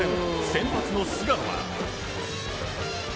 先発の菅野は。